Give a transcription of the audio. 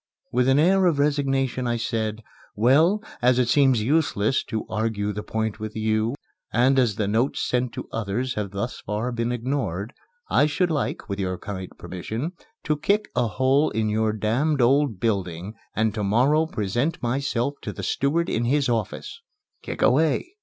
With an air of resignation I said, "Well, as it seems useless to argue the point with you and as the notes sent to others have thus far been ignored, I should like, with your kind permission, to kick a hole in your damned old building and to morrow present myself to the steward in his office." "Kick away!"